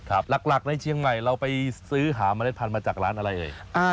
หลักในเชียงใหม่เราไปซื้อหาเมล็ดพันธุ์มาจากร้านอะไรเอ่ย